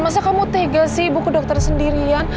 masa kamu tega sih ibu ke dokter sendirian